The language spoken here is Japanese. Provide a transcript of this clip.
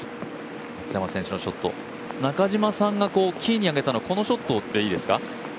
松山選手のショット、中嶋さんがキーにあげたのはこのショットでいいですか？